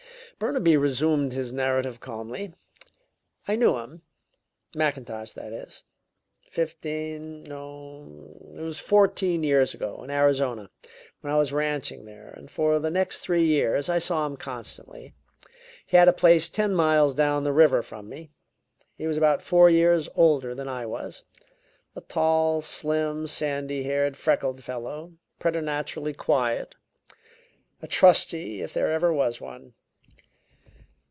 Burnaby resumed his narrative calmly. "I knew him Mackintosh, that is fifteen, no, it was fourteen years ago in Arizona, when I was ranching there, and for the next three years I saw him constantly. He had a place ten miles down the river from me. He was about four years older than I was a tall, slim, sandy haired, freckled fellow, preternaturally quiet; a trusty, if there ever was one.